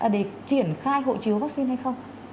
để triển khai hộ chiếu vaccine hay không